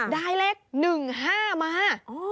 ได้เลขหนึ่งห้ามา